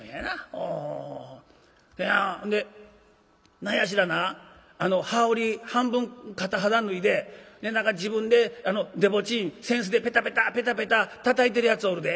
清やんんで何や知らんなあの羽織半分片肌脱いで何か自分ででぼちん扇子でペタペタペタペタたたいてるやつおるで。